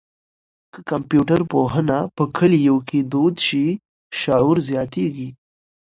که کمپيوټر پوهنه په کلیو کي دود شي، شعور زیاتېږي.